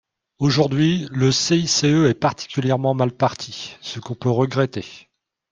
Aujourd’hui, le CICE est particulièrement mal parti, ce qu’on peut regretter.